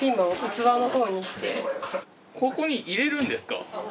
ここに入れるんですか？